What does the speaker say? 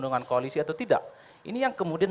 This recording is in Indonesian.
dengan koalisi atau tidak ini yang kemudian